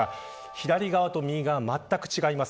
左側と右側まったく違います。